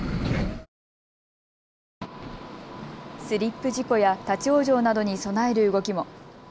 スリップ事故や立往生などに備える動きも。